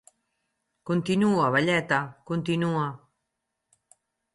Continua, velleta, continua!